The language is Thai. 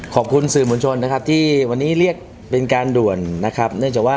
ขอบคุณสื่อมวลชนนะครับที่วันนี้เรียกเป็นการด่วนนะครับ